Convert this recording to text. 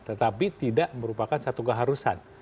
tetapi tidak merupakan satu keharusan